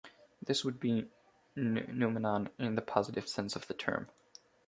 This would be 'noumenon' in the "positive" sense of the term.